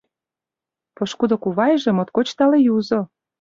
Пошкудо кувайже моткоч тале юзо.